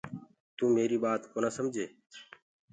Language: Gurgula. تو ميريٚ ٻآت ڪونآ سمجي۔